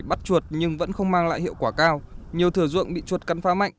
bắt chuột nhưng vẫn không mang lại hiệu quả cao nhiều thừa ruộng bị chuột cắn phá mạnh